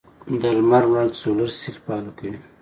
د لمر وړانګې سولر سیل فعاله کوي.